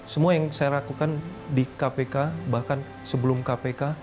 semua yang saya lakukan di kpk bahkan sebelum kpk